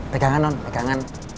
pegangan om pegangan